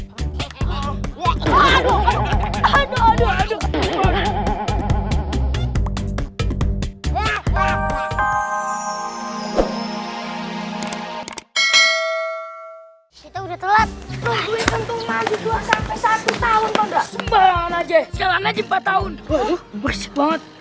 aduh bersih banget